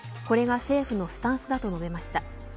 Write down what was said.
これが政府のスタンスだと述べました。